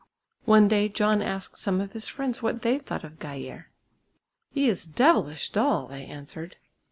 One day John asked some of his friends what they thought of Geijer. "He is devilish dull," they answered.